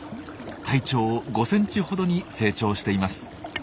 体長５センチほどに成長しています。